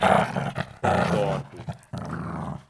T’æ tòrto.